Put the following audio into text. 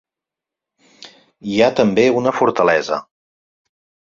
Hi ha també una fortalesa.